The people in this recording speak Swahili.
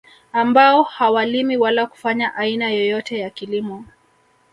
Ambao hawalimi wala kufanya aina yeyote ya kilimo